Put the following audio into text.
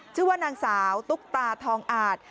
ชื่อว่านางสาวตุ๊กตาทองอาจ